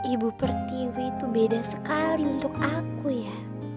ibu pertiwi itu beda sekali untuk aku ya